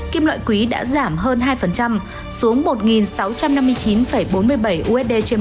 kim loại quý đã giảm hơn hai xuống một sáu trăm năm mươi chín bốn mươi bảy usd trên một